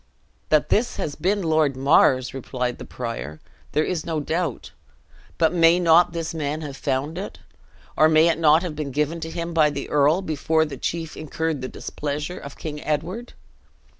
"That this has been Lord Mar's," replied the prior, "there is no doubt; but may not this man have found it? Or may it not have been given to him by the earl, before that chief incurred the displeasure of King Edward?